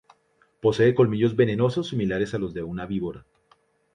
Posee colmillos venenosos similares a los de una víbora.